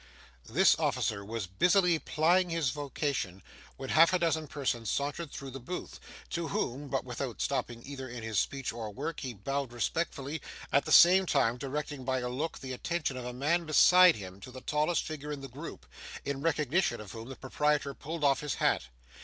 This officer was busily plying his vocation when half a dozen persons sauntered through the booth, to whom, but without stopping either in his speech or work, he bowed respectfully; at the same time directing, by a look, the attention of a man beside him to the tallest figure in the group, in recognition of whom the proprietor pulled off his hat.